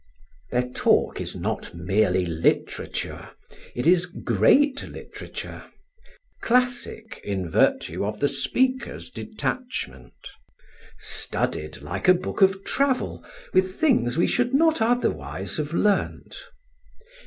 Their talk is not merely literature, it is great literature; classic in virtue of the speaker's detachment, studded, like a book of travel, with things we should not otherwise have learnt.